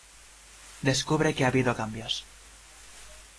Descubre que ha habido cambios.